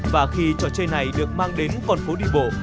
và khi trò chơi này được mang đến con phố đi bộ